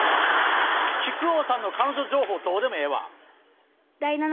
木久扇さんの彼女情報どうでもええわ。